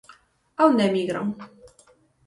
¿A onde emigran?